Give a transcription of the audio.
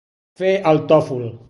Fer el tòfol.